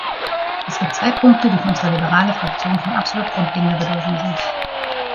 Es gibt zwei Punkte, die für unsere liberale Fraktion von absolut grundlegender Bedeutung sind.